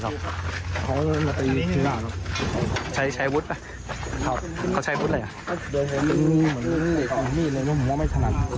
เข้าใช้วุฒิไปใช้วุฒิอะไรอ่ะ